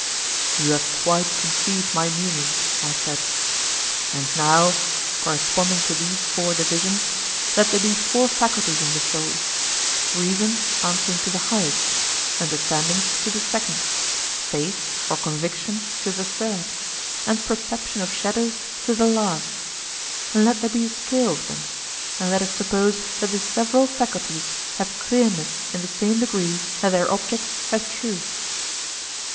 You have quite conceived my meaning, I said; and now, corresponding to these four divisions, let there be four faculties in the soul—reason answering to the highest, understanding to the second, faith (or conviction) to the third, and perception of shadows to the last—and let there be a scale of them, and let us suppose that the several faculties have clearness in the same degree that their objects have truth.